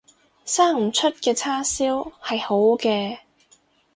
生唔出嘅叉燒係好嘅